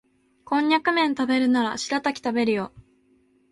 コンニャクめん食べるならシラタキ食べるよ